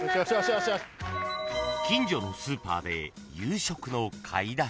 ［近所のスーパーで夕食の買い出し］